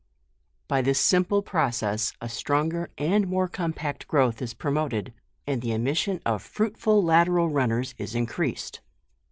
By this simple process a stronger and more compact growth is promoted, and the emis sion of fruitful lateral runners is increased.